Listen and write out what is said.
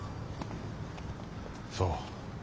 そう。